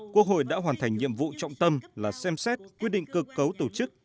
quốc hội đã hoàn thành nhiệm vụ trọng tâm là xem xét quyết định cơ cấu tổ chức